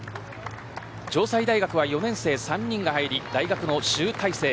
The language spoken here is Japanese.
城西大学は４年生３人が入り大学の集大成。